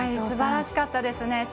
すばらしかったですね。